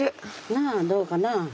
なあどうかな。